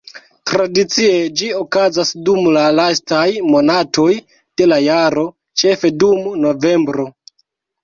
Tradicie ĝi okazas dum la lastaj monatoj de la jaro, ĉefe dum novembro.